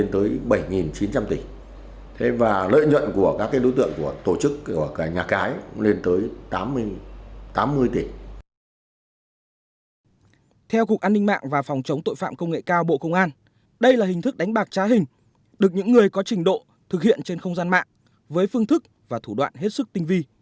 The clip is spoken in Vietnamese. theo cục an ninh mạng và phòng chống tội phạm công nghệ cao bộ công an đây là hình thức đánh bạc trá hình được những người có trình độ thực hiện trên không gian mạng với phương thức và thủ đoạn hết sức tinh vi